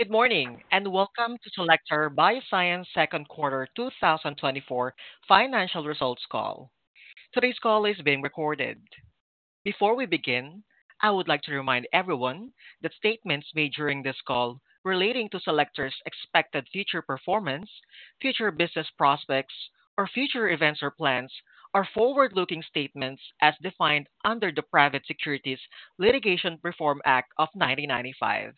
Good morning, and welcome to Cellectar Biosciences Second Quarter 2024 Financial Results Call. Today's call is being recorded. Before we begin, I would like to remind everyone that statements made during this call relating to Cellectar's expected future performance, future business prospects, or future events or plans are forward-looking statements as defined under the Private Securities Litigation Reform Act of 1995.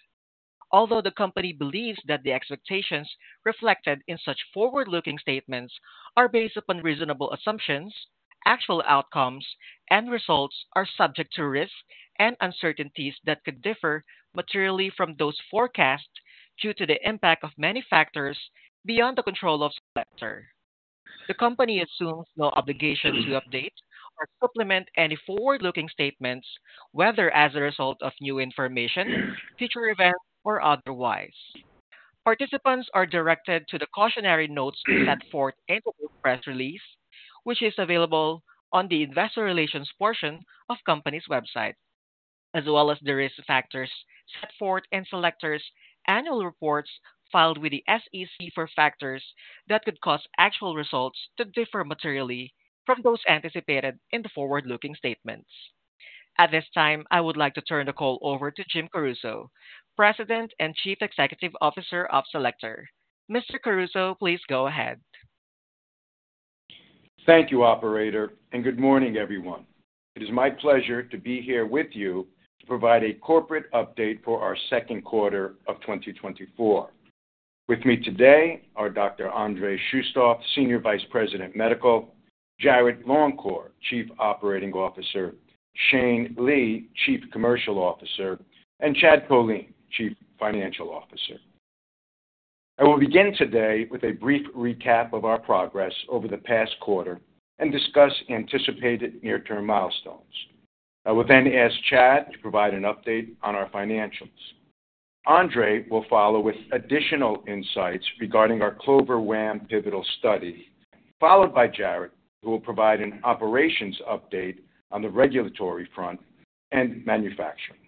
Although the company believes that the expectations reflected in such forward-looking statements are based upon reasonable assumptions, actual outcomes and results are subject to risks and uncertainties that could differ materially from those forecasts due to the impact of many factors beyond the control of Cellectar. The company assumes no obligation to update or supplement any forward-looking statements, whether as a result of new information, future events, or otherwise. Participants are directed to the cautionary notes set forth in the press release, which is available on the investor relations portion of company's website, as well as the risk factors set forth in Cellectar's annual reports filed with the SEC for factors that could cause actual results to differ materially from those anticipated in the forward-looking statements. At this time, I would like to turn the call over to Jim Caruso, President and Chief Executive Officer of Cellectar. Mr. Caruso, please go ahead. Thank you, operator, and good morning, everyone. It is my pleasure to be here with you to provide a corporate update for our second quarter of 2024. With me today are Dr. Andrei Shustov, Senior Vice President, Medical; Jarrod Longcor, Chief Operating Officer; Shane Lea, Chief Commercial Officer; and Chad Kolean, Chief Financial Officer. I will begin today with a brief recap of our progress over the past quarter and discuss anticipated near-term milestones. I will then ask Chad to provide an update on our financials. Andrei will follow with additional insights regarding our CLOVER-WaM pivotal study, followed by Jarrod, who will provide an operations update on the regulatory front and manufacturing.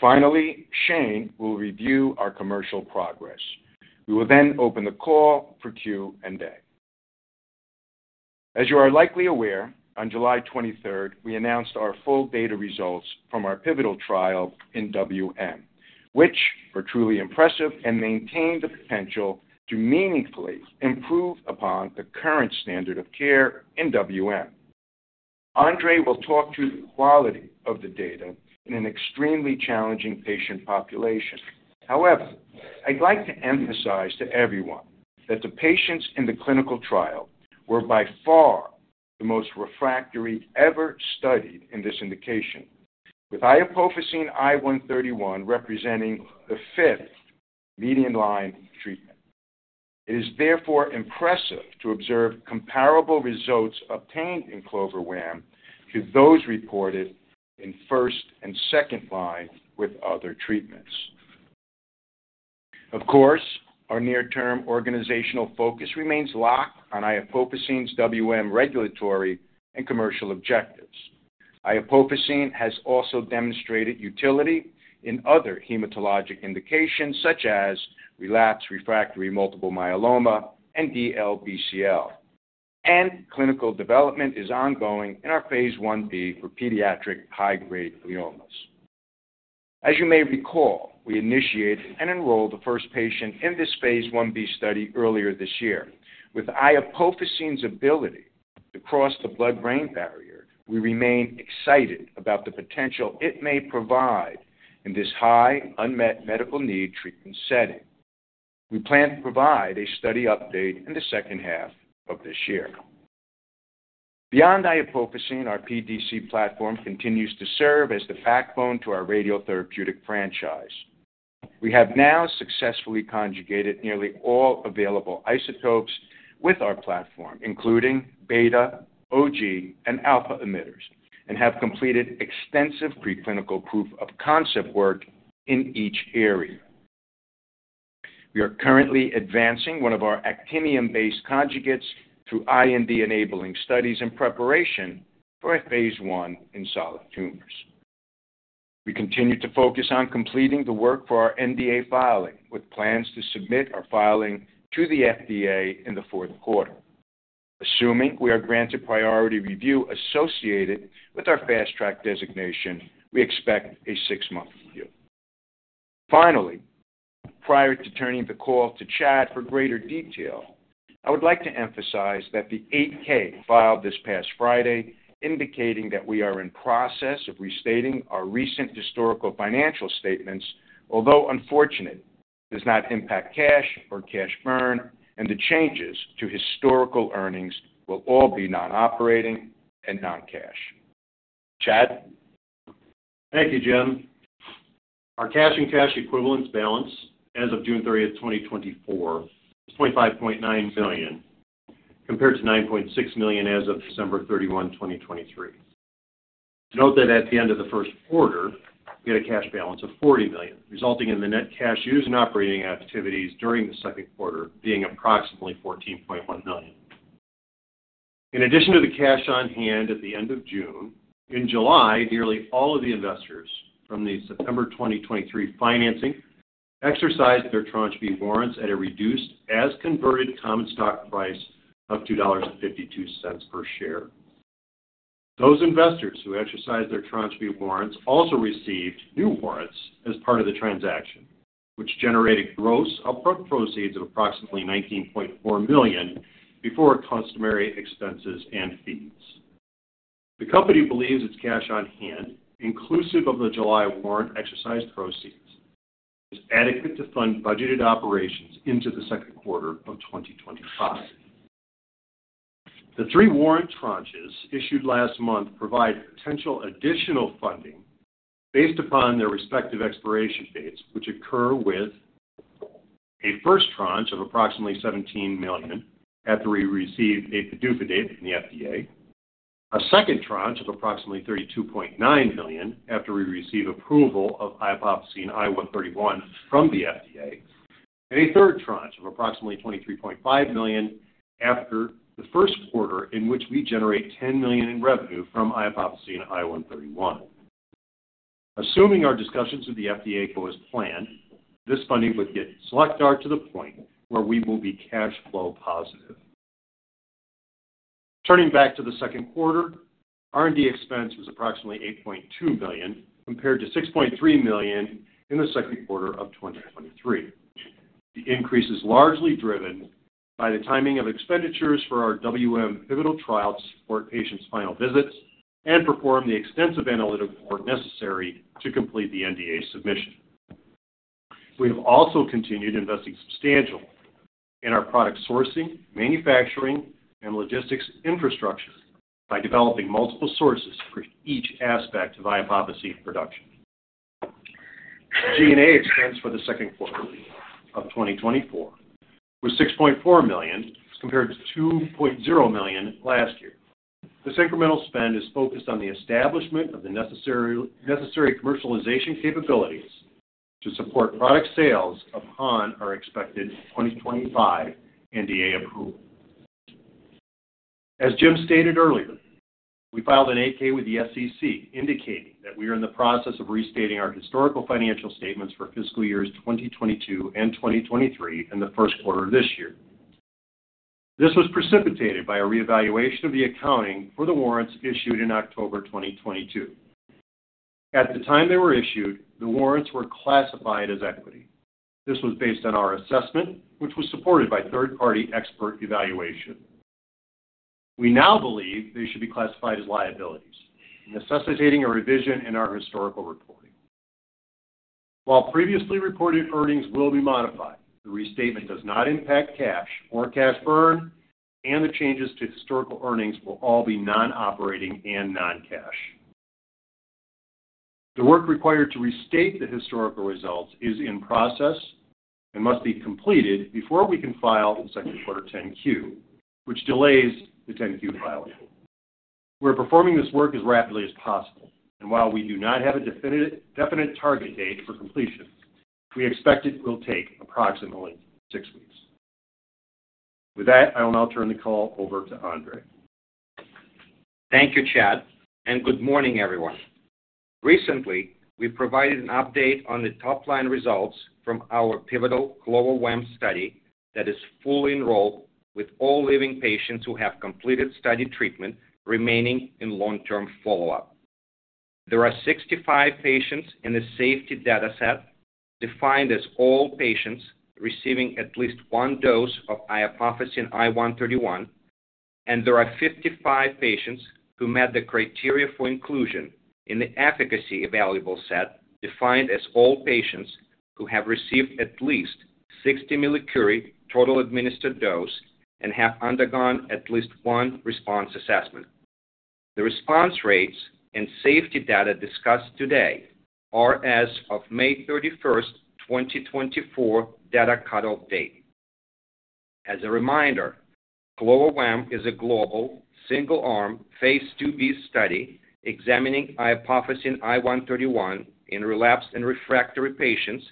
Finally, Shane will review our commercial progress. We will then open the call for Q&A. As you are likely aware, on July twenty-third, we announced our full data results from our pivotal trial in WM, which were truly impressive and maintain the potential to meaningfully improve upon the current standard of care in WM. Andrei will talk to the quality of the data in an extremely challenging patient population. However, I'd like to emphasize to everyone that the patients in the clinical trial were by far the most refractory ever studied in this indication, with iopofosine I 131 representing the fifth median line treatment. It is therefore impressive to observe comparable results obtained in CLOVER-WaM to those reported in first and second line with other treatments. Of course, our near-term organizational focus remains locked on iopofosine's WM regulatory and commercial objectives. Iopofosine has also demonstrated utility in other hematologic indications, such as relapsed/refractory multiple myeloma and DLBCL, and clinical development is ongoing in our phase Ib for pediatric high-grade gliomas. As you may recall, we initiated and enrolled the first patient in this phase Ib study earlier this year. With iopofosine's ability to cross the blood-brain barrier, we remain excited about the potential it may provide in this high unmet medical need treatment setting. We plan to provide a study update in the second half of this year. Beyond iopofosine, our PDC platform continues to serve as the backbone to our radiotherapeutic franchise. We have now successfully conjugated nearly all available isotopes with our platform, including beta, gamma, and alpha emitters, and have completed extensive preclinical proof-of-concept work in each area. We are currently advancing one of our actinium-based conjugates through IND-enabling studies in preparation for a phase I in solid tumors. We continue to focus on completing the work for our NDA filing, with plans to submit our filing to the FDA in the fourth quarter. Assuming we are granted Priority Review associated with our Fast Track designation, we expect a 6-month review. Finally, prior to turning the call to Chad for greater detail, I would like to emphasize that the 8-K filed this past Friday, indicating that we are in process of restating our recent historical financial statements, although unfortunate, does not impact cash or cash burn, and the changes to historical earnings will all be non-operating and non-cash. Chad? Thank you, Jim. Our cash and cash equivalents balance as of June 30, 2024, is $25.9 million, compared to $9.6 million as of December 31, 2023. Note that at the end of the first quarter, we had a cash balance of $40 million, resulting in the net cash used in operating activities during the second quarter being approximately $14.1 million. In addition to the cash on hand at the end of June, in July, nearly all of the investors from the September 2023 financing exercised their Tranche B warrants at a reduced as-converted common stock price of $2.52 per share. Those investors who exercised their Tranche B warrants also received new warrants as part of the transaction, which generated gross up-front proceeds of approximately $19.4 million before customary expenses and fees. The company believes its cash on hand, inclusive of the July warrant exercise proceeds, is adequate to fund budgeted operations into the second quarter of 2025. The three warrant tranches issued last month provide potential additional funding based upon their respective expiration dates, which occur with a first tranche of approximately $17 million after we receive a PDUFA date from the FDA. A second tranche of approximately $32.9 million after we receive approval of iopofosine I 131 from the FDA, and a third tranche of approximately $23.5 million after the first quarter in which we generate $10 million in revenue from iopofosine I 131. Assuming our discussions with the FDA go as planned, this funding would get Cellectar to the point where we will be cash flow positive. Turning back to the second quarter, R&D expense was approximately $8.2 million, compared to $6.3 million in the second quarter of 2023. The increase is largely driven by the timing of expenditures for our WM pivotal trial to support patients' final visits and perform the extensive analytic work necessary to complete the NDA submission. We have also continued investing substantially in our product sourcing, manufacturing, and logistics infrastructure by developing multiple sources for each aspect of iopofosine production. G&A expense for the second quarter of 2024 was $6.4 million, compared to $2.0 million last year. This incremental spend is focused on the establishment of the necessary commercialization capabilities to support product sales upon our expected 2025 NDA approval. As Jim stated earlier, we filed an 8-K with the SEC indicating that we are in the process of restating our historical financial statements for fiscal years 2022 and 2023, and the first quarter of this year. This was precipitated by a reevaluation of the accounting for the warrants issued in October 2022. At the time they were issued, the warrants were classified as equity. This was based on our assessment, which was supported by third-party expert evaluation. We now believe they should be classified as liabilities, necessitating a revision in our historical reporting. While previously reported earnings will be modified, the restatement does not impact cash or cash burn, and the changes to historical earnings will all be non-operating and non-cash. The work required to restate the historical results is in process and must be completed before we can file the second quarter 10-Q, which delays the 10-Q filing. We're performing this work as rapidly as possible, and while we do not have a definitive, definite target date for completion, we expect it will take approximately six weeks. With that, I will now turn the call over to Andrei. Thank you, Chad, and good morning, everyone. Recently, we provided an update on the top-line results from our pivotal CLOVER-WaM study that is fully enrolled, with all living patients who have completed study treatment remaining in long-term follow-up. There are 65 patients in the safety dataset, defined as all patients receiving at least one dose of iopofosine I 131, and there are 55 patients who met the criteria for inclusion in the efficacy evaluable set, defined as all patients who have received at least 60 millicurie total administered dose and have undergone at least one response assessment. The response rates and safety data discussed today are as of May 31, 2024, data cutoff date. As a reminder, CLOVER-WaM is a global, single-arm, phase IIb study examining iopofosine I 131 in relapsed and refractory patients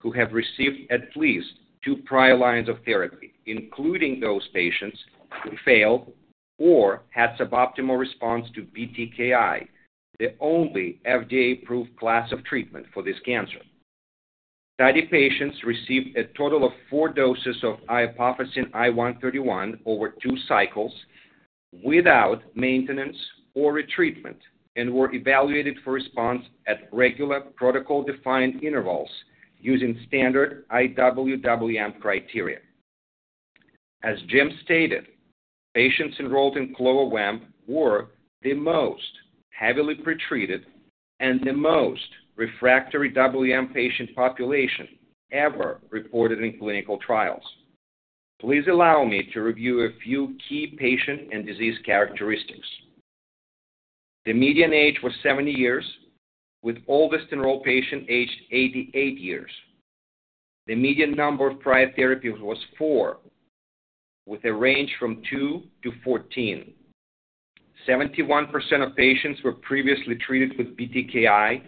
who have received at least 2 prior lines of therapy, including those patients who failed or had suboptimal response to BTKI, the only FDA-approved class of treatment for this cancer. Study patients received a total of 4 doses of iopofosine I 131 over 2 cycles without maintenance or retreatment and were evaluated for response at regular protocol-defined intervals using standard IWWM criteria. As Jim stated, patients enrolled in CLOVER-WaM were the most heavily pretreated and the most refractory WM patient population ever reported in clinical trials. Please allow me to review a few key patient and disease characteristics. The median age was 70 years, with oldest enrolled patient aged 88 years. The median number of prior therapies was 4, with a range from 2 to 14. 71% of patients were previously treated with BTKI,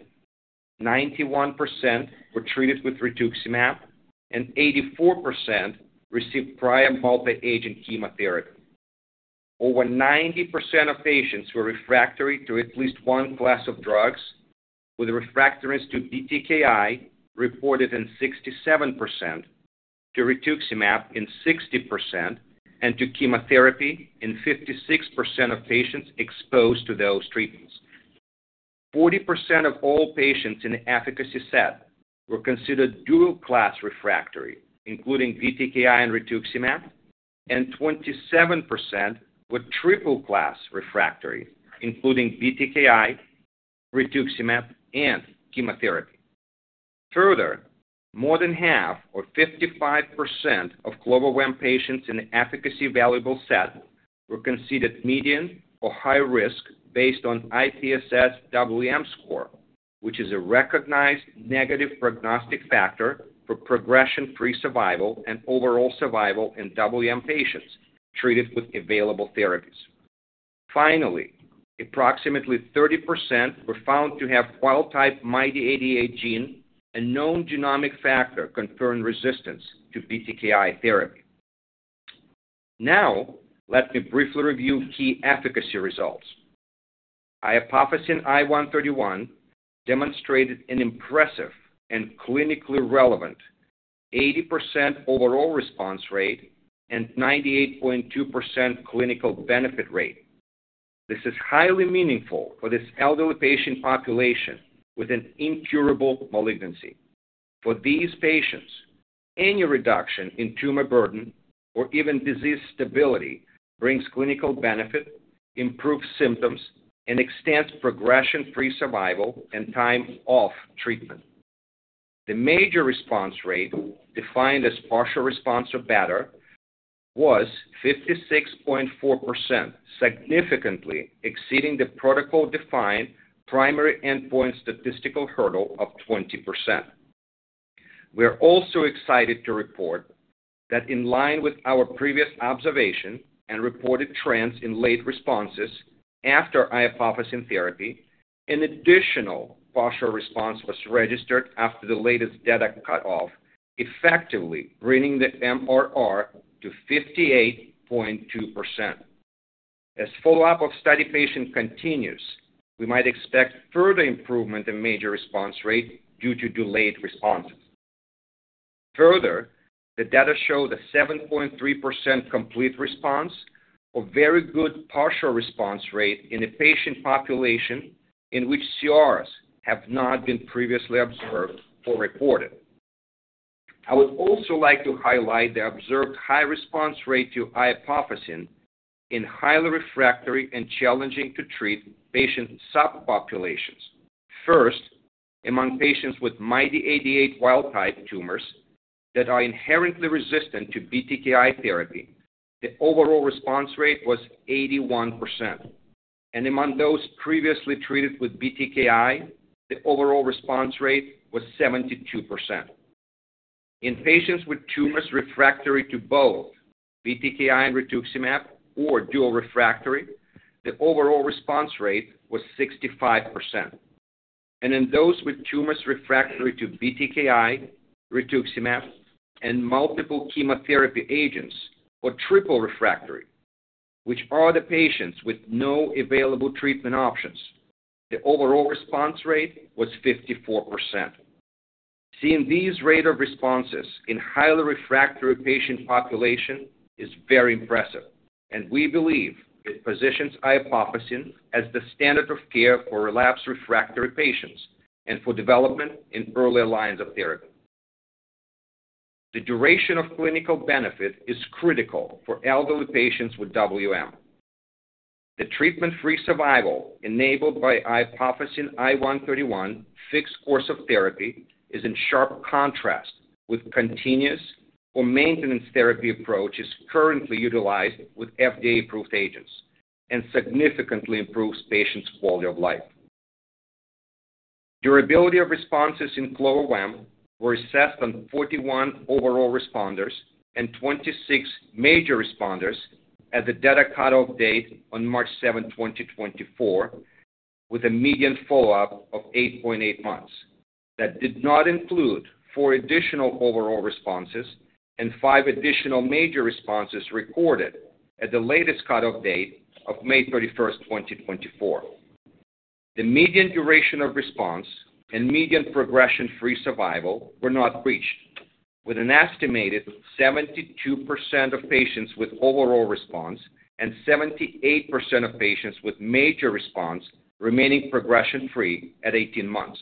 91% were treated with rituximab, and 84% received prior multi-agent chemotherapy. Over 90% of patients were refractory to at least one class of drugs, with refractoriness to BTKI reported in 67%, to rituximab in 60%, and to chemotherapy in 56% of patients exposed to those treatments. 40% of all patients in the efficacy set were considered dual-class refractory, including BTKI and rituximab, and 27% were triple-class refractory, including BTKI, rituximab, and chemotherapy. Further, more than half, or 55%, of CLOVER-WaM patients in the efficacy evaluable set were considered median or high risk based on IPSS-WM score, which is a recognized negative prognostic factor for progression-free survival and overall survival in WM patients treated with available therapies. Finally, approximately 30% were found to have wild-type MYD88 gene, a known genomic factor conferring resistance to BTKI therapy. Now, let me briefly review key efficacy results. iopofosine I 131 demonstrated an impressive and clinically relevant 80% overall response rate and 98.2% clinical benefit rate. This is highly meaningful for this elderly patient population with an incurable malignancy. For these patients, any reduction in tumor burden or even disease stability brings clinical benefit, improves symptoms, and extends progression-free survival and time off treatment. The major response rate, defined as partial response or better, was 56.4%, significantly exceeding the protocol-defined primary endpoint statistical hurdle of 20%. We are also excited to report that in line with our previous observation and reported trends in late responses after iopofosine therapy, an additional partial response was registered after the latest data cutoff, effectively bringing the MRR to 58.2%. As follow-up of study patient continues, we might expect further improvement in major response rate due to delayed responses. Further, the data show the 7.3% complete response, a very good partial response rate in a patient population in which CRs have not been previously observed or reported. I would also like to highlight the observed high response rate to iopofosine in highly refractory and challenging to treat patient subpopulations. First, among patients with MYD88 wild-type tumors that are inherently resistant to BTKI therapy, the overall response rate was 81%, and among those previously treated with BTKI, the overall response rate was 72%. In patients with tumors refractory to both BTKI and rituximab or dual refractory, the overall response rate was 65%. In those with tumors refractory to BTKI, rituximab, and multiple chemotherapy agents, or triple refractory, which are the patients with no available treatment options, the overall response rate was 54%. Seeing these rate of responses in highly refractory patient population is very impressive, and we believe it positions iopofosine as the standard of care for relapsed refractory patients and for development in earlier lines of therapy. The duration of clinical benefit is critical for elderly patients with WM. The treatment-free survival enabled by iopofosine I 131 fixed course of therapy is in sharp contrast with continuous or maintenance therapy approaches currently utilized with FDA-approved agents and significantly improves patients' quality of life. Durability of responses in CLOVER-WaM were assessed on 41 overall responders and 26 major responders at the data cutoff date on March 7, 2024, with a median follow-up of 8.8 months. That did not include four additional overall responses and five additional major responses recorded at the latest cutoff date of May 31, 2024. The median duration of response and median progression-free survival were not reached, with an estimated 72% of patients with overall response and 78% of patients with major response remaining progression-free at 18 months.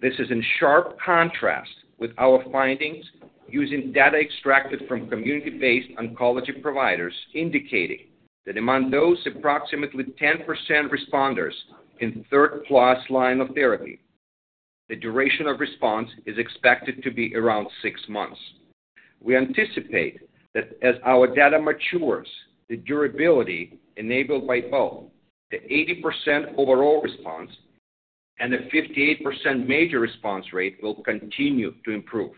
This is in sharp contrast with our findings using data extracted from community-based oncology providers, indicating that among those approximately 10% responders in third-plus line of therapy, the duration of response is expected to be around 6 months. We anticipate that as our data matures, the durability enabled by both the 80% overall response-... The 58% major response rate will continue to improve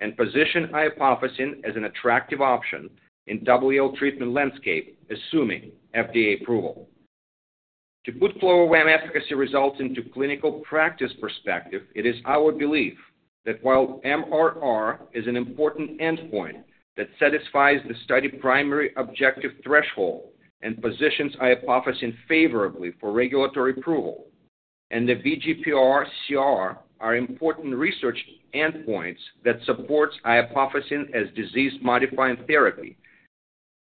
and position iopofosine as an attractive option in WM treatment landscape, assuming FDA approval. To put CLOVER-WaM efficacy results into clinical practice perspective, it is our belief that while MRR is an important endpoint that satisfies the study primary objective threshold and positions iopofosine favorably for regulatory approval, and the VGPR CR are important research endpoints that supports iopofosine as disease-modifying therapy.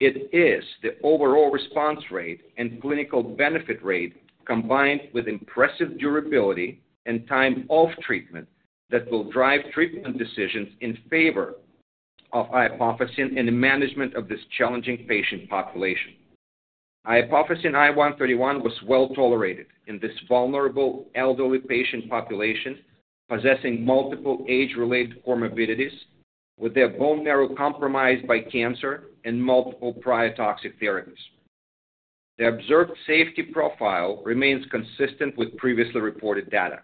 It is the overall response rate and clinical benefit rate, combined with impressive durability and time off treatment, that will drive treatment decisions in favor of iopofosine in the management of this challenging patient population. Iopofosine I 131 was well tolerated in this vulnerable elderly patient population, possessing multiple age-related comorbidities, with their bone marrow compromised by cancer and multiple prior toxic therapies. The observed safety profile remains consistent with previously reported data.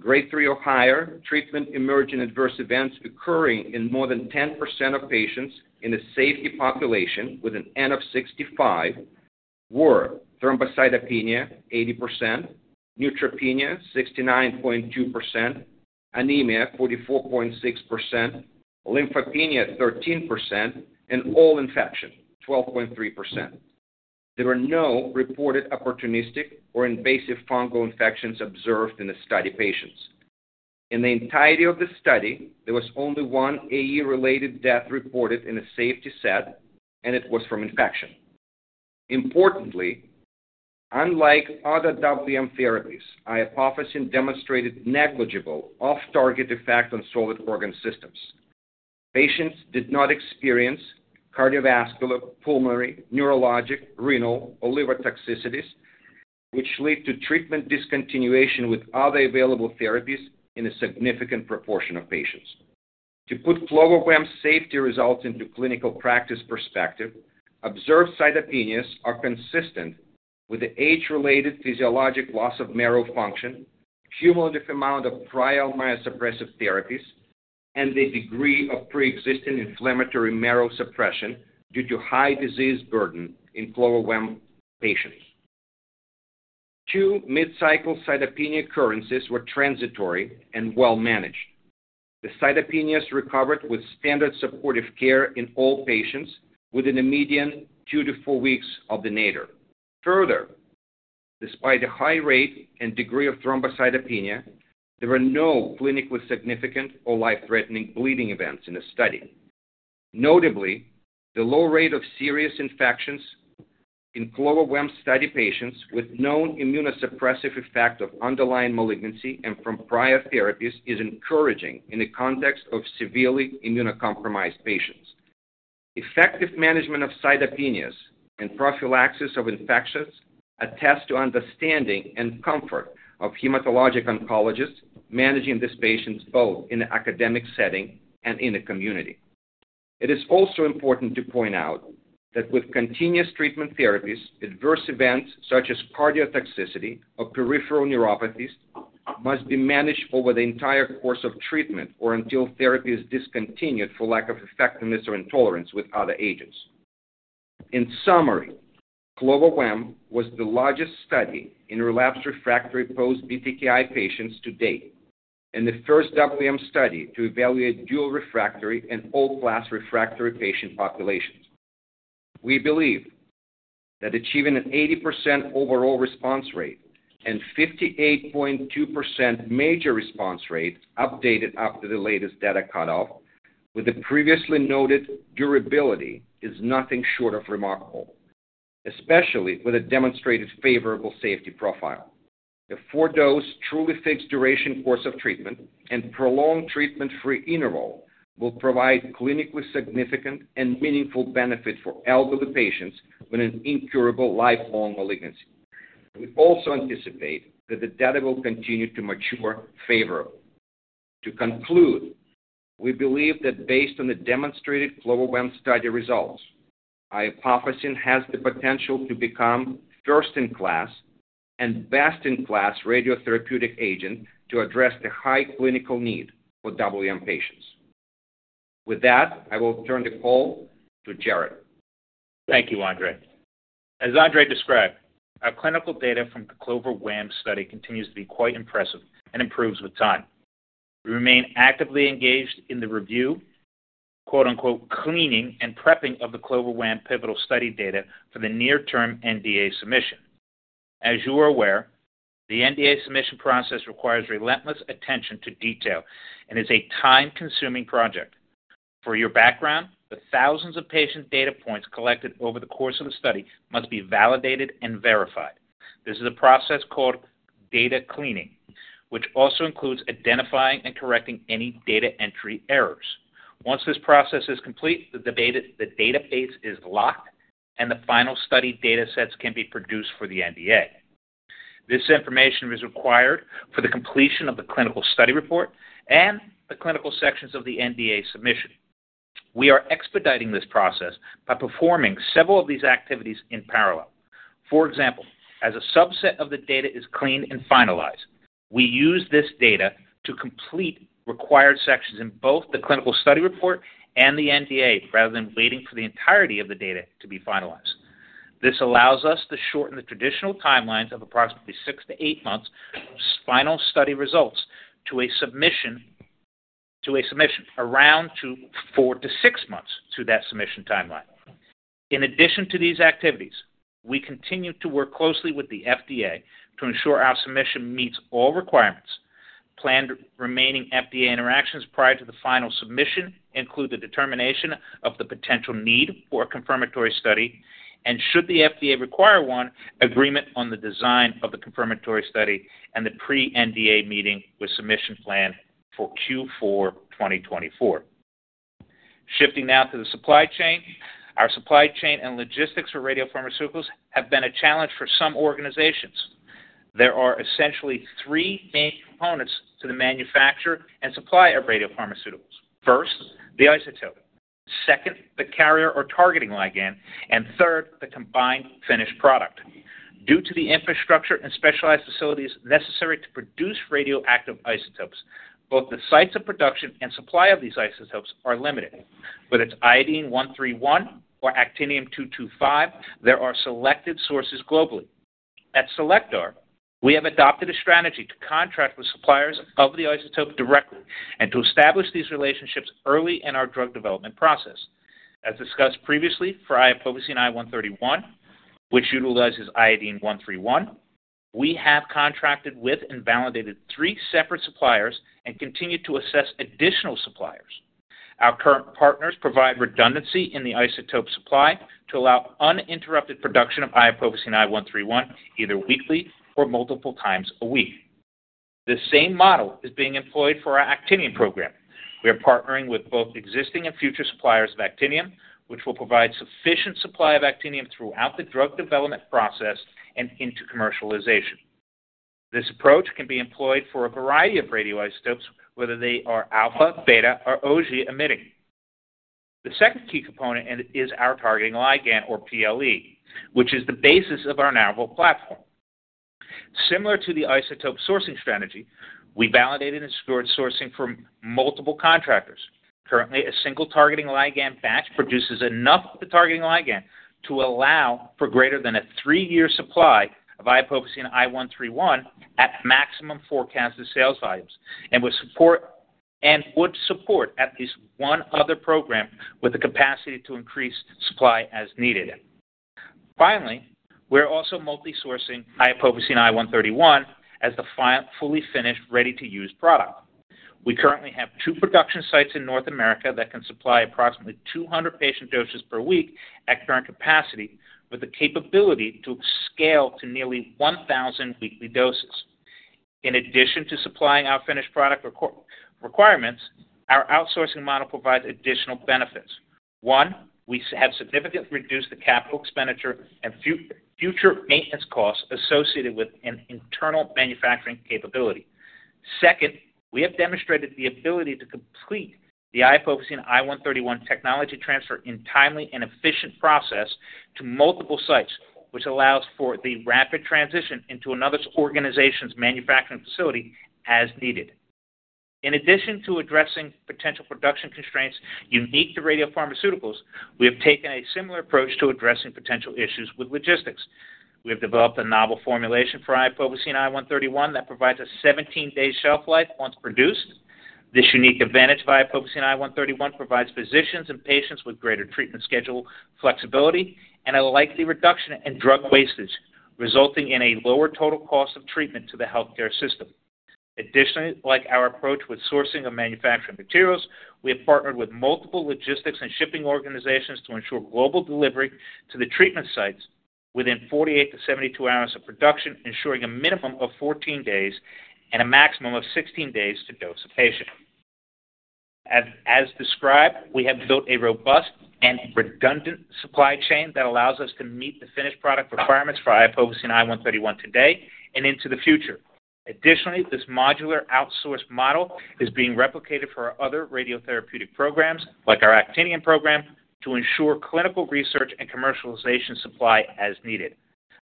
Grade 3 or higher treatment-emerging adverse events occurring in more than 10% of patients in a safety population with an N of 65 were thrombocytopenia, 80%; neutropenia, 69.2%; anemia, 44.6%; lymphopenia, 13%; and all infection, 12.3%. There were no reported opportunistic or invasive fungal infections observed in the study patients. In the entirety of the study, there was only 1 AE-related death reported in a safety set, and it was from infection. Importantly, unlike other WM therapies, iopofosine demonstrated negligible off-target effect on solid organ systems. Patients did not experience cardiovascular, pulmonary, neurologic, renal, or liver toxicities, which lead to treatment discontinuation with other available therapies in a significant proportion of patients. To put CLOVER-WaM's safety results into clinical practice perspective, observed cytopenias are consistent with the age-related physiologic loss of marrow function, cumulative amount of prior myelosuppressive therapies, and the degree of pre-existing inflammatory marrow suppression due to high disease burden in CLOVER-WaM patients. Two mid-cycle cytopenia occurrences were transitory and well managed. The cytopenias recovered with standard supportive care in all patients within a median two to four weeks of the nadir. Further, despite a high rate and degree of thrombocytopenia, there were no clinically significant or life-threatening bleeding events in the study. Notably, the low rate of serious infections in CLOVER-WaM study patients with known immunosuppressive effect of underlying malignancy and from prior therapies is encouraging in the context of severely immunocompromised patients. Effective management of cytopenias and prophylaxis of infections attest to understanding and comfort of hematologic oncologists managing these patients both in an academic setting and in the community. It is also important to point out that with continuous treatment therapies, adverse events such as cardiotoxicity or peripheral neuropathies must be managed over the entire course of treatment or until therapy is discontinued for lack of effectiveness or intolerance with other agents. In summary, CLOVER-WaM was the largest study in relapsed refractory post-BTKI patients to date and the first WM study to evaluate dual refractory and all-class refractory patient populations. We believe that achieving an 80% overall response rate and 58.2% major response rate, updated after the latest data cutoff, with the previously noted durability, is nothing short of remarkable, especially with a demonstrated favorable safety profile. The four-dose, truly fixed duration course of treatment and prolonged treatment-free interval will provide clinically significant and meaningful benefit for elderly patients with an incurable, lifelong malignancy. We also anticipate that the data will continue to mature favorably. To conclude, we believe that based on the demonstrated CLOVER-WaM study results, iopofosine I 131 has the potential to become first in class and best in class radiotherapeutic agent to address the high clinical need for WM patients. With that, I will turn the call to Jarrod. Thank you, Andrei. As Andrei described, our clinical data from the CLOVER-WaM study continues to be quite impressive and improves with time. We remain actively engaged in the review, quote, unquote, "cleaning and prepping" of the CLOVER-WaM pivotal study data for the near-term NDA submission. As you are aware, the NDA submission process requires relentless attention to detail and is a time-consuming project. For your background, the thousands of patient data points collected over the course of the study must be validated and verified. This is a process called data cleaning, which also includes identifying and correcting any data entry errors. Once this process is complete, the database is locked, and the final study data sets can be produced for the NDA. This information is required for the completion of the clinical study report and the clinical sections of the NDA submission.... We are expediting this process by performing several of these activities in parallel. For example, as a subset of the data is cleaned and finalized, we use this data to complete required sections in both the clinical study report and the NDA, rather than waiting for the entirety of the data to be finalized. This allows us to shorten the traditional timelines of approximately 6-8 months final study results to a submission, to a submission around to 4-6 months to that submission timeline. In addition to these activities, we continue to work closely with the FDA to ensure our submission meets all requirements. Planned remaining FDA interactions prior to the final submission include the determination of the potential need for a confirmatory study, and should the FDA require one, agreement on the design of the confirmatory study and the pre-NDA meeting with submission plan for Q4 2024. Shifting now to the supply chain. Our supply chain and logistics for radiopharmaceuticals have been a challenge for some organizations. There are essentially three main components to the manufacture and supply of radiopharmaceuticals. First, the isotope, second, the carrier or targeting ligand, and third, the combined finished product. Due to the infrastructure and specialized facilities necessary to produce radioactive isotopes, both the sites of production and supply of these isotopes are limited. Whether it's iodine-131 or actinium-225, there are selected sources globally. At Cellectar, we have adopted a strategy to contract with suppliers of the isotope directly and to establish these relationships early in our drug development process. As discussed previously, for iopofosine I 131, which utilizes iodine-131, we have contracted with and validated three separate suppliers and continue to assess additional suppliers. Our current partners provide redundancy in the isotope supply to allow uninterrupted production of iopofosine I 131, either weekly or multiple times a week. The same model is being employed for our actinium program. We are partnering with both existing and future suppliers of actinium, which will provide sufficient supply of actinium throughout the drug development process and into commercialization. This approach can be employed for a variety of radioisotopes, whether they are alpha, beta, or gamma emitting. The second key component is our targeting ligand, or PLE, which is the basis of our novel platform. Similar to the isotope sourcing strategy, we validated and scored sourcing from multiple contractors. Currently, a single targeting ligand batch produces enough of the targeting ligand to allow for greater than a three-year supply of iopofosine I 131 at maximum forecasted sales volumes, and would support at least one other program with the capacity to increase supply as needed. Finally, we're also multi-sourcing iopofosine I 131 as the fully finished, ready-to-use product. We currently have two production sites in North America that can supply approximately 200 patient doses per week at current capacity, with the capability to scale to nearly 1,000 weekly doses. In addition to supplying our finished product requirements, our outsourcing model provides additional benefits. One, we have significantly reduced the capital expenditure and future maintenance costs associated with an internal manufacturing capability. Second, we have demonstrated the ability to complete the iopofosine I 131 technology transfer in timely and efficient process to multiple sites, which allows for the rapid transition into another organization's manufacturing facility as needed. In addition to addressing potential production constraints unique to radiopharmaceuticals, we have taken a similar approach to addressing potential issues with logistics. We have developed a novel formulation for iopofosine I 131 that provides a 17-day shelf life once produced. This unique advantage of iopofosine I 131 provides physicians and patients with greater treatment schedule flexibility and a likely reduction in drug wastage, resulting in a lower total cost of treatment to the healthcare system. Additionally, like our approach with sourcing of manufacturing materials, we have partnered with multiple logistics and shipping organizations to ensure global delivery to the treatment sites within 48-72 hours of production, ensuring a minimum of 14 days and a maximum of 16 days to dose a patient. As described, we have built a robust and redundant supply chain that allows us to meet the finished product requirements for iopofosine I 131 today and into the future. Additionally, this modular outsource model is being replicated for our other radiotherapeutic programs, like our actinium program, to ensure clinical research and commercialization supply as needed.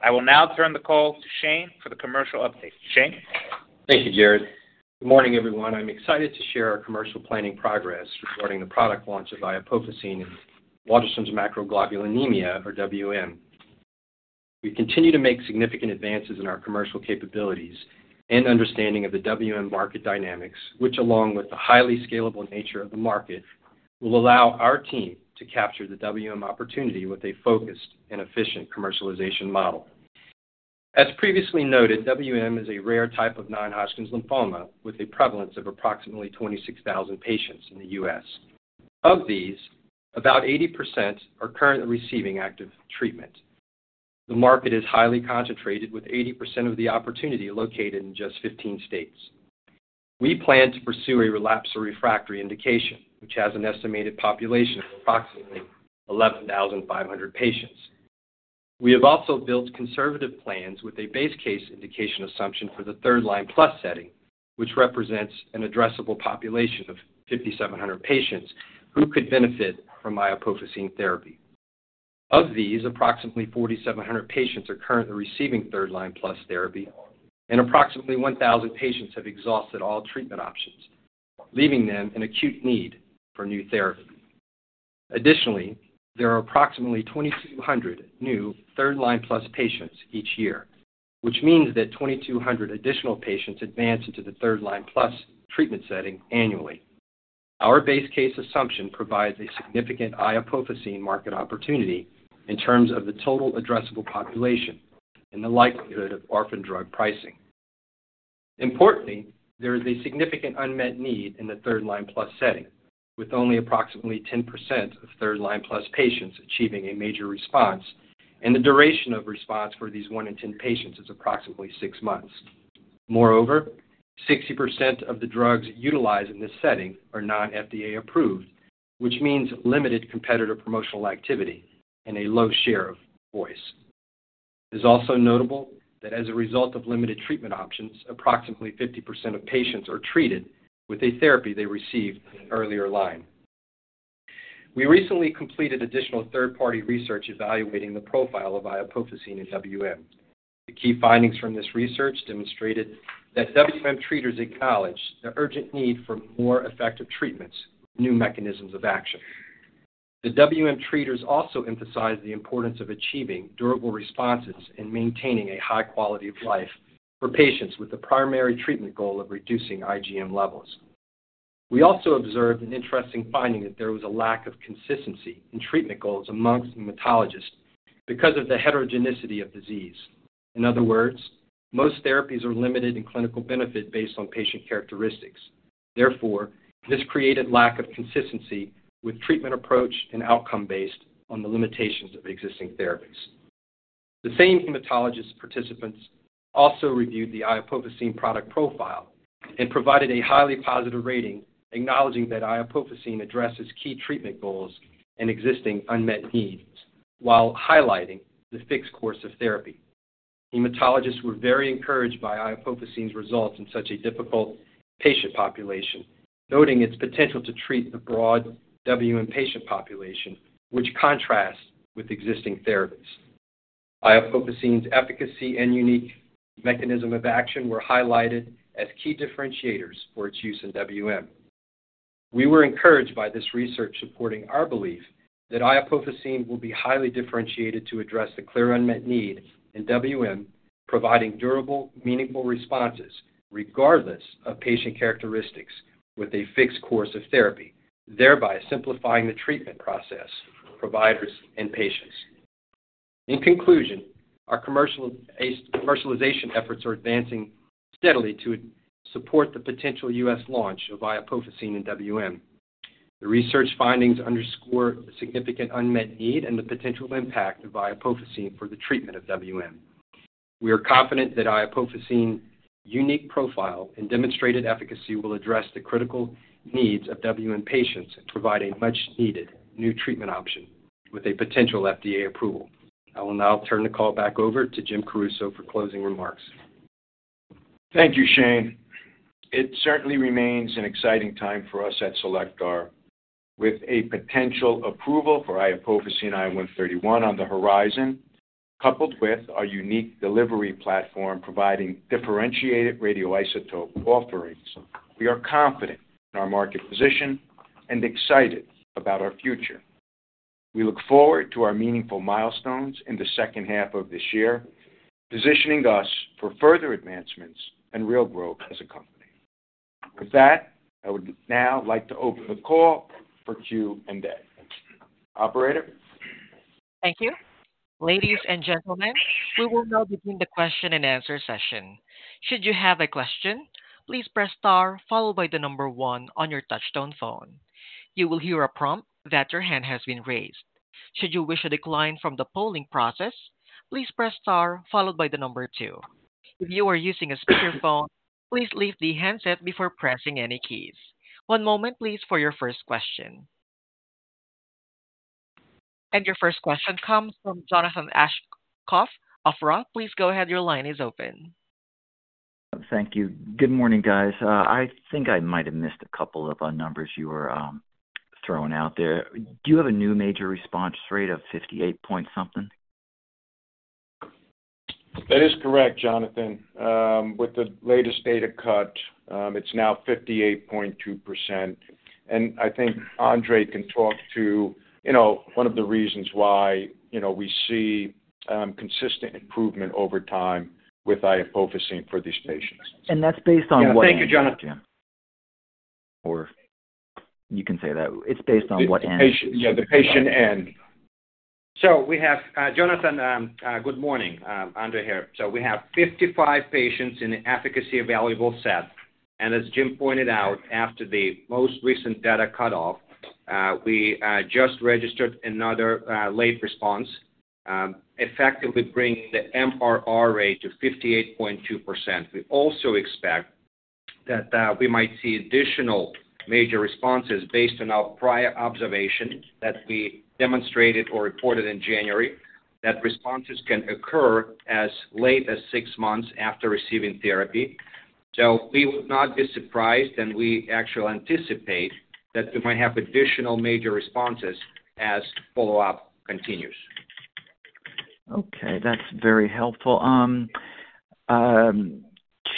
I will now turn the call to Shane for the commercial update. Shane? Thank you, Jarrod. Good morning, everyone. I'm excited to share our commercial planning progress regarding the product launch of iopofosine I 131 in Waldenstrom's macroglobulinemia, or WM. We continue to make significant advances in our commercial capabilities and understanding of the WM market dynamics, which, along with the highly scalable nature of the market, will allow our team to capture the WM opportunity with a focused and efficient commercialization model. As previously noted, WM is a rare type of non-Hodgkin lymphoma with a prevalence of approximately 26,000 patients in the U.S. Of these, about 80% are currently receiving active treatment. The market is highly concentrated, with 80% of the opportunity located in just 15 states. We plan to pursue a relapsed or refractory indication, which has an estimated population of approximately 11,500 patients. We have also built conservative plans with a base case indication assumption for the third-line plus setting, which represents an addressable population of 5,700 patients who could benefit from iopofosine therapy. Of these, approximately 4,700 patients are currently receiving third-line plus therapy, and approximately 1,000 patients have exhausted all treatment options, leaving them in acute need for new therapy. Additionally, there are approximately 2,200 new third-line plus patients each year, which means that 2,200 additional patients advance into the third-line plus treatment setting annually. Our base case assumption provides a significant iopofosine market opportunity in terms of the total addressable population and the likelihood of orphan drug pricing. Importantly, there is a significant unmet need in the third-line plus setting, with only approximately 10% of third-line plus patients achieving a major response, and the duration of response for these 1 in 10 patients is approximately six months. Moreover, 60% of the drugs utilized in this setting are non-FDA approved, which means limited competitive promotional activity and a low share of voice. It is also notable that as a result of limited treatment options, approximately 50% of patients are treated with a therapy they received earlier line. We recently completed additional third-party research evaluating the profile of iopofosine in WM. The key findings from this research demonstrated that WM treaters acknowledge the urgent need for more effective treatments, new mechanisms of action. The WM treaters also emphasized the importance of achieving durable responses and maintaining a high quality of life for patients with the primary treatment goal of reducing IgM levels. We also observed an interesting finding that there was a lack of consistency in treatment goals among hematologists because of the heterogeneity of disease. In other words, most therapies are limited in clinical benefit based on patient characteristics. Therefore, this created lack of consistency with treatment approach and outcome based on the limitations of existing therapies. The same hematologist participants also reviewed the iopofosine product profile and provided a highly positive rating, acknowledging that iopofosine addresses key treatment goals and existing unmet needs while highlighting the fixed course of therapy. Hematologists were very encouraged by iopofosine's results in such a difficult patient population, noting its potential to treat the broad WM patient population, which contrasts with existing therapies. Iopofosine's efficacy and unique mechanism of action were highlighted as key differentiators for its use in WM. We were encouraged by this research, supporting our belief that iopofosine will be highly differentiated to address the clear unmet need in WM, providing durable, meaningful responses regardless of patient characteristics with a fixed course of therapy, thereby simplifying the treatment process for providers and patients. In conclusion, our commercialization efforts are advancing steadily to support the potential U.S. launch of iopofosine in WM. The research findings underscore the significant unmet need and the potential impact of iopofosine for the treatment of WM. We are confident that iopofosine's unique profile and demonstrated efficacy will address the critical needs of WM patients and provide a much-needed new treatment option with a potential FDA approval. I will now turn the call back over to Jim Caruso for closing remarks. Thank you, Shane. It certainly remains an exciting time for us at Cellectar. With a potential approval for iopofosine I 131 on the horizon, coupled with our unique delivery platform providing differentiated radioisotope offerings, we are confident in our market position and excited about our future. We look forward to our meaningful milestones in the second half of this year, positioning us for further advancements and real growth as a company. With that, I would now like to open the call for Q&A. Operator? Thank you. Ladies and gentlemen, we will now begin the question-and-answer session. Should you have a question, please press star followed by the number one on your touchtone phone. You will hear a prompt that your hand has been raised. Should you wish to decline from the polling process, please press star followed by the number two. If you are using a speakerphone, please leave the handset before pressing any keys. One moment, please, for your first question. Your first question comes from Jonathan Aschoff of Roth. Please go ahead. Your line is open. Thank you. Good morning, guys. I think I might have missed a couple of numbers you were throwing out there. Do you have a new major response rate of 58 point something? That is correct, Jonathan. With the latest data cut, it's now 58.2%. And I think Andrei can talk to, you know, one of the reasons why, you know, we see consistent improvement over time with iopofosine for these patients. That's based on what. Yeah. Thank you, Jonathan. Or you can say that. It's based on what end? The patient, yeah, the patient end. So we have, Jonathan, good morning, Andrei here. So we have 55 patients in the efficacy evaluable set, and as Jim pointed out, after the most recent data cutoff, we just registered another late response, effectively bringing the MRR rate to 58.2%. We also expect. That, we might see additional major responses based on our prior observation that we demonstrated or reported in January, that responses can occur as late as six months after receiving therapy. So we would not be surprised, and we actually anticipate that we might have additional major responses as follow-up continues. Okay, that's very helpful.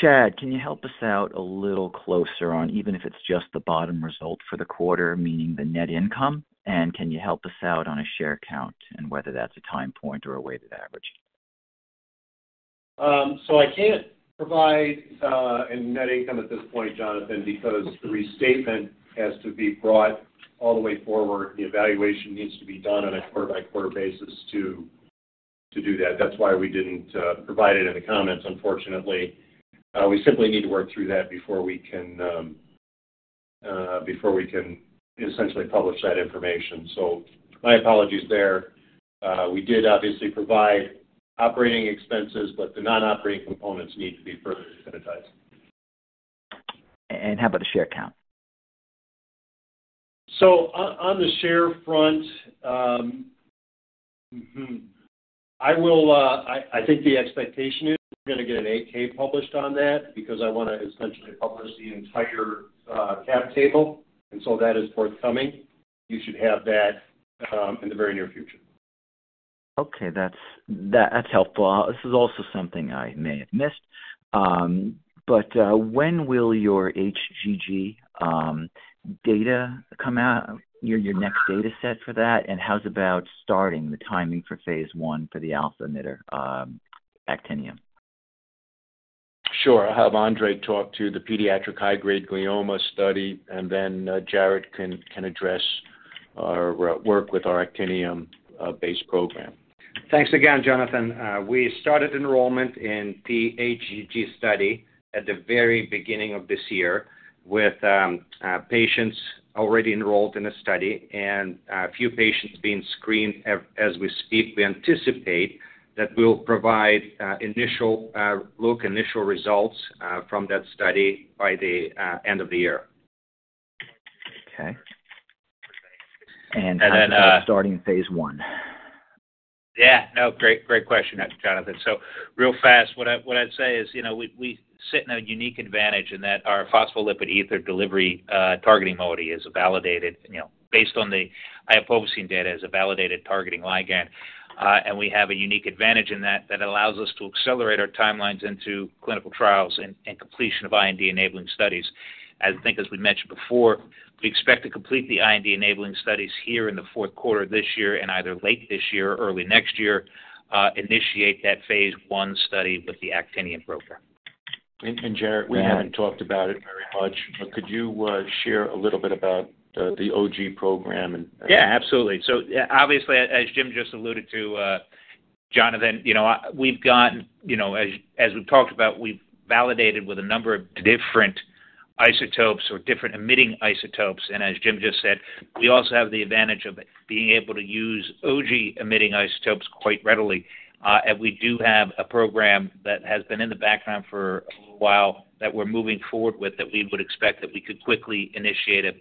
Chad, can you help us out a little closer on, even if it's just the bottom result for the quarter, meaning the net income? And can you help us out on a share count and whether that's a time point or a weighted average? So I can't provide a net income at this point, Jonathan, because the restatement has to be brought all the way forward. The evaluation needs to be done on a quarter-by-quarter basis to do that. That's why we didn't provide it in the comments, unfortunately. We simply need to work through that before we can essentially publish that information. So my apologies there. We did obviously provide operating expenses, but the non-operating components need to be further identified. And how about the share count? So on the share front, I think the expectation is we're gonna get an 8-K published on that because I wanna essentially publish the entire cap table, and so that is forthcoming. You should have that in the very near future. Okay. That's helpful. This is also something I may have missed. But when will your HGG data come out, your next data set for that? And how's about starting the timing for phase I for the alpha emitter, actinium? Sure. I'll have Andrei talk to the pediatric high-grade glioma study, and then Jarrod can address our work with our actinium-based program. Thanks again, Jonathan. We started enrollment in the HGG study at the very beginning of this year with patients already enrolled in the study and a few patients being screened. As we speak, we anticipate that we'll provide initial look initial results from that study by the end of the year. Okay. And then. How's about starting phase I? Yeah. No, great, great question, Jonathan. So real fast, what I, what I'd say is, you know, we, we sit in a unique advantage in that our phospholipid ether delivery, targeting modality is a validated, you know, based on the iopofosine data, is a validated targeting ligand. And we have a unique advantage in that, that allows us to accelerate our timelines into clinical trials and, and completion of IND-enabling studies. I think as we mentioned before, we expect to complete the IND-enabling studies here in the fourth quarter of this year and either late this year or early next year, initiate that phase I study with the actinium program. Jarrod, we haven't talked about it very much, but could you share a little bit about the Auger program and. Yeah, absolutely. So obviously, as Jim just alluded to, Jonathan, you know, we've gotten. You know, as we've talked about, we've validated with a number of different isotopes or different emitting isotopes. And as Jim just said, we also have the advantage of being able to use alpha-emitting isotopes quite readily. And we do have a program that has been in the background for a little while that we're moving forward with, that we would expect that we could quickly initiate a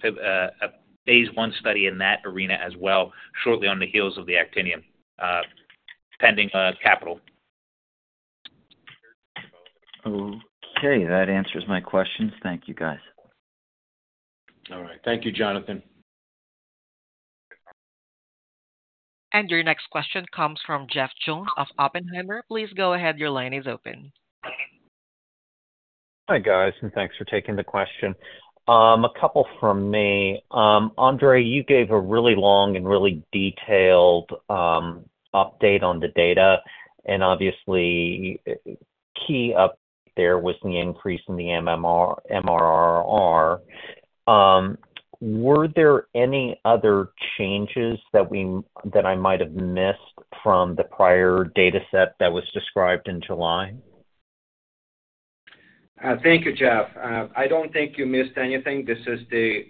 phase I study in that arena as well, shortly on the heels of the actinium, pending capital. Okay, that answers my questions. Thank you, guys. All right. Thank you, Jonathan. Your next question comes from Jeff Jones of Oppenheimer. Please go ahead. Your line is open. Hi, guys, and thanks for taking the question. A couple from me. Andrei, you gave a really long and really detailed update on the data, and obviously, key up there was the increase in the MMR, MRR. Were there any other changes that I might have missed from the prior dataset that was described in July? Thank you, Jeff. I don't think you missed anything. This is the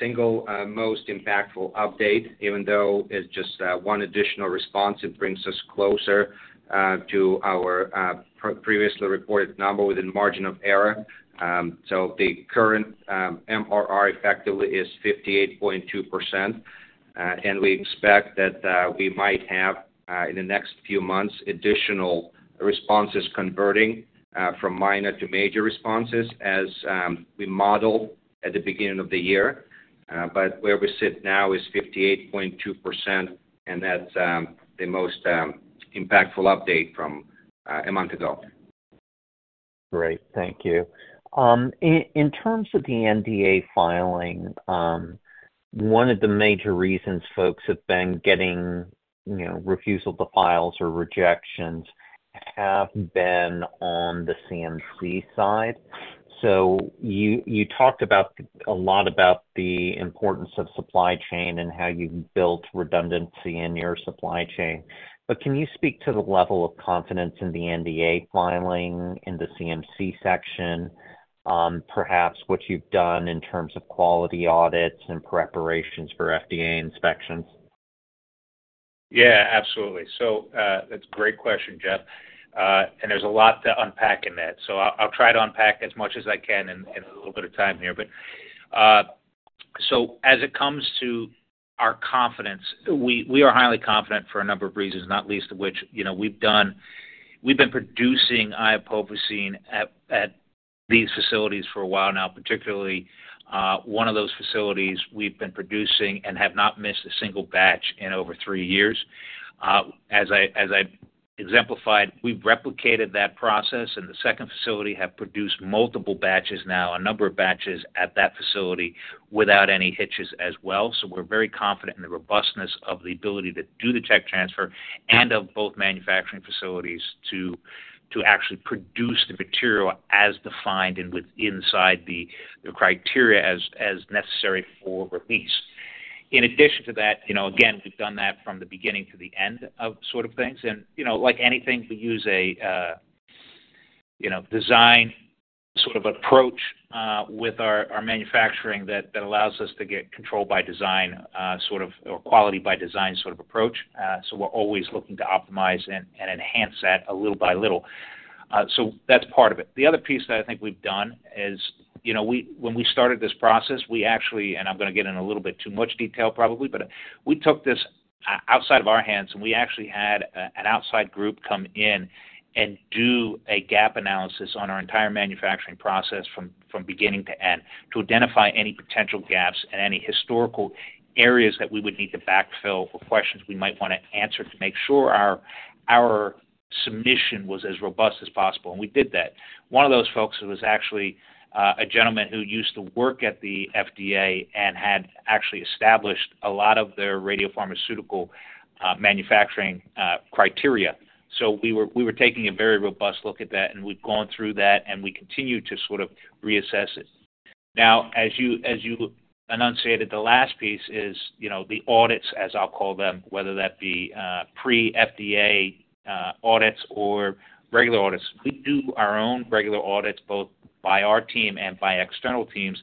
single most impactful update. Even though it's just one additional response, it brings us closer to our previously reported number within margin of error. So the current MRR effectively is 58.2%, and we expect that we might have in the next few months, additional responses converting from minor to major responses as we modeled at the beginning of the year. But where we sit now is 58.2%, and that's the most impactful update from a month ago. Great. Thank you. In terms of the NDA filing, one of the major reasons folks have been getting, you know, refusal to file or rejections have been on the CMC side. So you talked about a lot about the importance of supply chain and how you've built redundancy in your supply chain. But can you speak to the level of confidence in the NDA filing in the CMC section, perhaps what you've done in terms of quality audits and preparations for FDA inspections? Yeah, absolutely. So, that's a great question, Jeff. And there's a lot to unpack in that, so I'll try to unpack as much as I can in a little bit of time here. But, so as it comes to our confidence, we are highly confident for a number of reasons, not least of which, you know, we've been producing iopofosine at these facilities for a while now, particularly, one of those facilities we've been producing and have not missed a single batch in over 3 years. As I exemplified, we've replicated that process, and the second facility have produced multiple batches now, a number of batches at that facility without any hitches as well. So we're very confident in the robustness of the ability to do the tech transfer and of both manufacturing facilities to actually produce the material as defined and with inside the criteria as necessary for release. In addition to that, you know, again, we've done that from the beginning to the end of sort of things, and, you know, like anything, we use a you know, design sort of approach with our manufacturing that allows us to get control by design sort of, or quality by design sort of approach. So we're always looking to optimize and enhance that a little by little. So that's part of it. The other piece that I think we've done is, you know, we when we started this process, we actually, and I'm gonna get in a little bit too much detail, probably, but we took this outside of our hands, and we actually had an outside group come in and do a gap analysis on our entire manufacturing process from beginning to end, to identify any potential gaps and any historical areas that we would need to backfill, or questions we might wanna answer to make sure our submission was as robust as possible, and we did that. One of those folks was actually a gentleman who used to work at the FDA and had actually established a lot of their radiopharmaceutical manufacturing criteria. So we were taking a very robust look at that, and we've gone through that, and we continue to sort of reassess it. Now, as you enunciated, the last piece is, you know, the audits, as I'll call them, whether that be pre-FDA audits or regular audits. We do our own regular audits, both by our team and by external teams,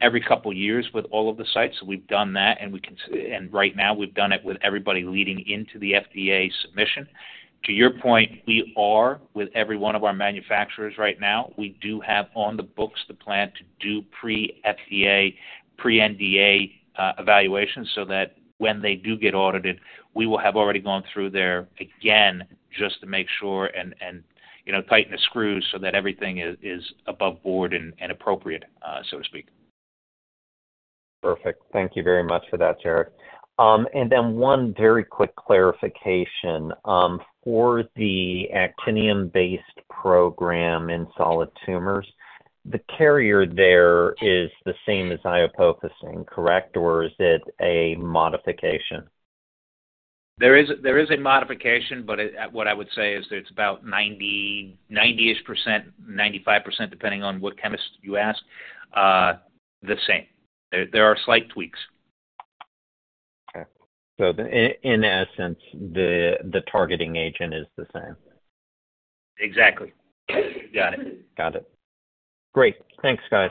every couple of years with all of the sites. So we've done that, and right now, we've done it with everybody leading into the FDA submission. To your point, we are with every one of our manufacturers right now. We do have on the books the plan to do pre-FDA, pre-NDA evaluations, so that when they do get audited, we will have already gone through there again, just to make sure and, you know, tighten the screws so that everything is above board and appropriate, so to speak. Perfect. Thank you very much for that, Jarrod. And then one very quick clarification. For the actinium-based program in solid tumors, the carrier there is the same as iopofosine, correct, or is it a modification? There is a modification, but what I would say is that it's about 90, 90-ish%, 95%, depending on what chemist you ask, the same. There are slight tweaks. Okay. So in essence, the targeting agent is the same? Exactly. Got it. Got it. Great. Thanks, guys.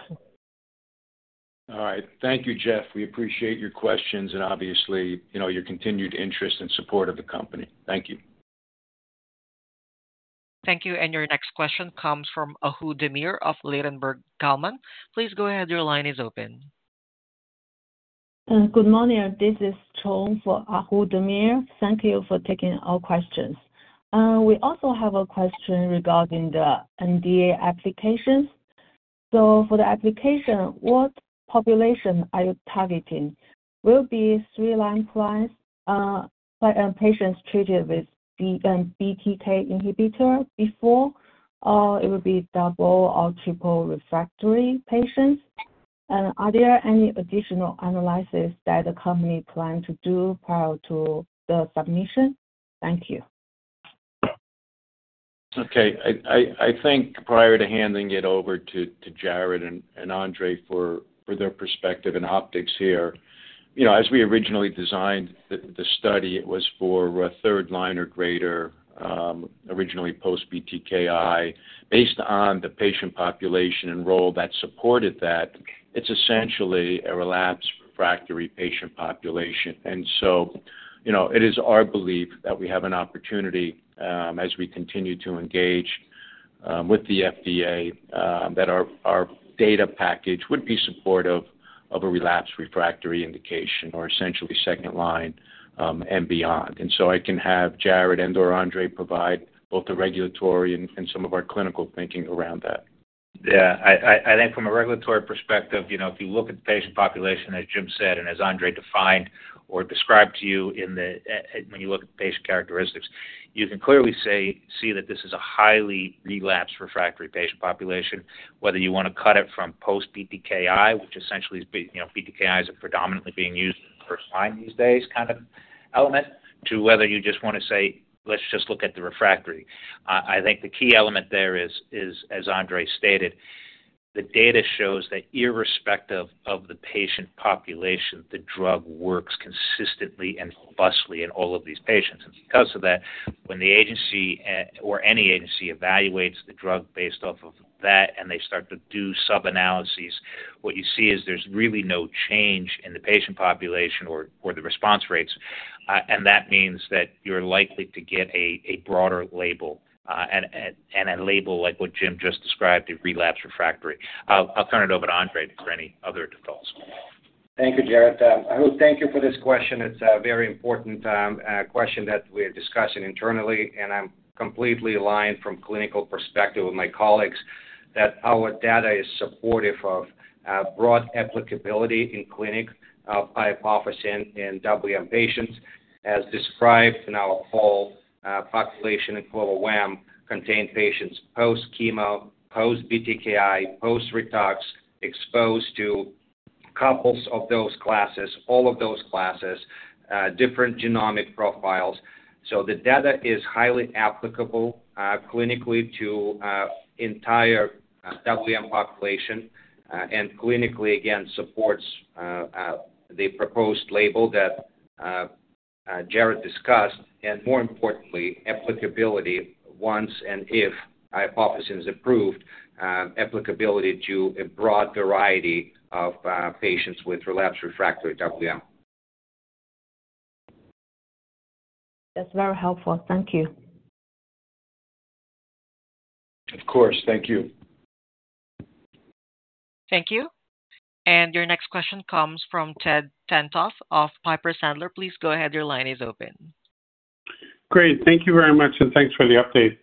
All right. Thank you, Jeff. We appreciate your questions and obviously, you know, your continued interest and support of the company. Thank you. Thank you, and your next question comes from Ahu Demir of Ladenburg Thalmann. Please go ahead. Your line is open. Good morning. This is Chong for Ahu Demir. Thank you for taking our questions. We also have a question regarding the NDA applications. So for the application, what population are you targeting? Will it be third-line patients treated with BTK inhibitor before, or it will be double or triple refractory patients? And are there any additional analysis that the company plan to do prior to the submission? Thank you. Okay. I think prior to handing it over to Jarrod and Andrei for their perspective and optics here, you know, as we originally designed the study, it was for third line or greater, originally post-BTKI. Based on the patient population enrollment that supported that, it's essentially a relapsed refractory patient population. And so, you know, it is our belief that we have an opportunity, as we continue to engage with the FDA, that our data package would be supportive of a relapsed refractory indication or essentially second line and beyond. And so I can have Jarrod and/or Andrei provide both the regulatory and some of our clinical thinking around that. Yeah. I think from a regulatory perspective, you know, if you look at the patient population, as Jim said and as Andrei defined or described to you in the, when you look at the patient characteristics, you can clearly see that this is a highly relapsed refractory patient population, whether you wanna cut it from post-BTKI, which essentially is, you know, BTKIs are predominantly being used for the first time these days, kind of element, to whether you just wanna say, "Let's just look at the refractory." I think the key element there is, as Andrei stated, the data shows that irrespective of the patient population, the drug works consistently and robustly in all of these patients. And because of that-... When the agency or any agency evaluates the drug based off of that, and they start to do sub-analyses, what you see is there's really no change in the patient population or the response rates. And that means that you're likely to get a broader label, and a label like what Jim just described, a relapsed refractory. I'll turn it over to Andrei for any other details. Thank you, Jarrod. Thank you for this question. It's a very important question that we are discussing internally, and I'm completely aligned from clinical perspective with my colleagues, that our data is supportive of broad applicability in clinic iopofosine in WM patients, as described in our whole population in CLOVER-WaM containing patients post chemo, post BTKI, post Ritux, exposed to couples of those classes, all of those classes, different genomic profiles. So the data is highly applicable clinically to entire WM population, and clinically, again, supports the proposed label that Jarrod discussed, and more importantly, applicability once and if iopofosine is approved, applicability to a broad variety of patients with relapsed refractory WM. That's very helpful. Thank you. Of course. Thank you. Thank you. And your next question comes from Ted Tenthoff of Piper Sandler. Please go ahead. Your line is open. Great. Thank you very much, and thanks for the update.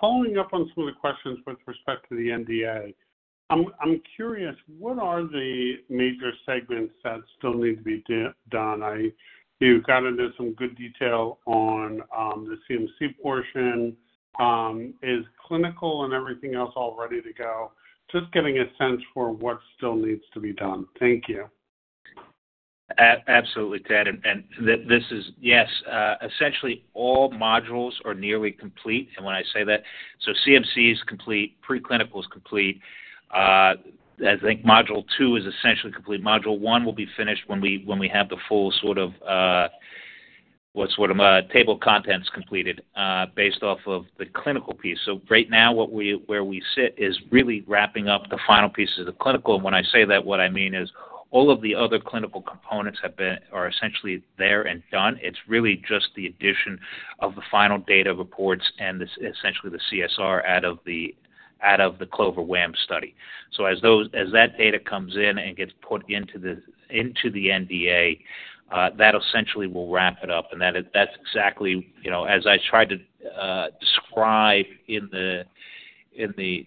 Following up on some of the questions with respect to the NDA, I'm curious, what are the major segments that still need to be done? You got into some good detail on the CMC portion. Is clinical and everything else all ready to go? Just getting a sense for what still needs to be done. Thank you. Absolutely, Ted, and this is yes, essentially, all modules are nearly complete, and when I say that, so CMC is complete, preclinical is complete. I think Module 2 is essentially complete. Module 1 will be finished when we, when we have the full sort of, what's sort of, table of contents completed, based off of the clinical piece. So right now, what we- where we sit is really wrapping up the final pieces of the clinical. When I say that, what I mean is all of the other clinical components have been... are essentially there and done. It's really just the addition of the final data reports and this essentially the CSR out of the- out of the CLOVER-WaM study. So as that data comes in and gets put into the NDA, that essentially will wrap it up, and that is, that's exactly, you know, as I tried to describe in the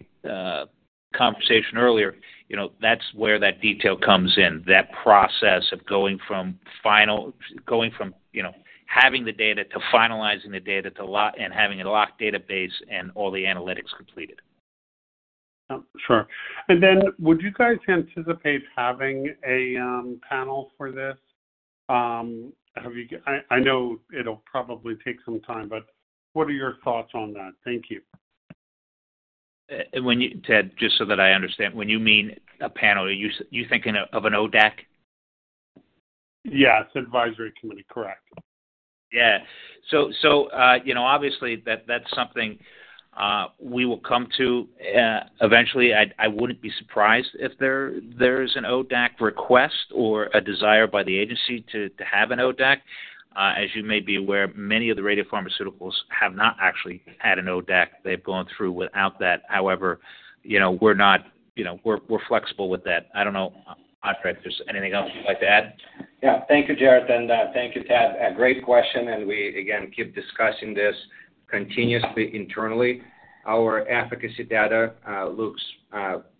conversation earlier, you know, that's where that detail comes in, that process of going from having the data to finalizing the data, and having a locked database and all the analytics completed. Sure. And then would you guys anticipate having a panel for this? I know it'll probably take some time, but what are your thoughts on that? Thank you. When you, Ted, just so that I understand, when you mean a panel, are you, you thinking of, of an ODAC? Yes, advisory committee, correct. Yeah. So, you know, obviously, that's something we will come to eventually. I wouldn't be surprised if there is an ODAC request or a desire by the agency to have an ODAC. As you may be aware, many of the radiopharmaceuticals have not actually had an ODAC. They've gone through without that. However, you know, we're not... we're flexible with that. I don't know, Andrei, if there's anything else you'd like to add? Yeah. Thank you, Jarrod, and thank you, Ted. A great question, and we, again, keep discussing this continuously, internally. Our efficacy data looks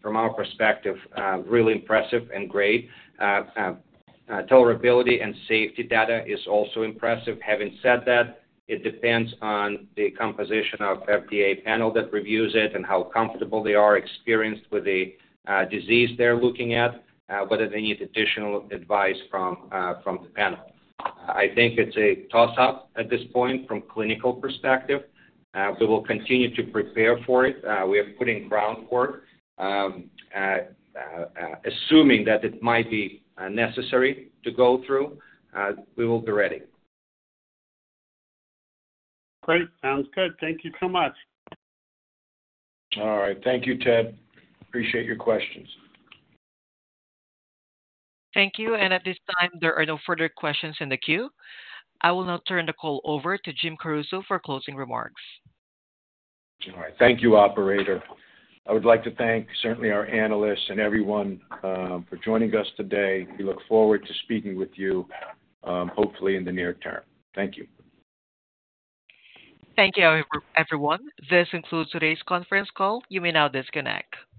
from our perspective really impressive and great. Tolerability and safety data is also impressive. Having said that, it depends on the composition of FDA panel that reviews it and how comfortable they are, experienced with the disease they're looking at, whether they need additional advice from the panel. I think it's a toss-up at this point from clinical perspective. We will continue to prepare for it. We are putting groundwork, assuming that it might be necessary to go through, we will be ready. Great. Sounds good. Thank you so much. All right. Thank you, Ted. Appreciate your questions. Thank you. At this time, there are no further questions in the queue. I will now turn the call over to Jim Caruso for closing remarks. All right. Thank you, operator. I would like to thank certainly our analysts and everyone for joining us today. We look forward to speaking with you, hopefully in the near term. Thank you. Thank you, everyone. This concludes today's conference call. You may now disconnect.